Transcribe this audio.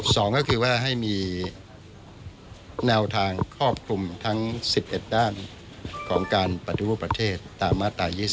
สองก็คือว่าให้มีแนวทางครอบคลุมทั้ง๑๑ด้านของการปฏิรูปประเทศตามมาตรา๒๒